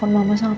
tapi setelah itu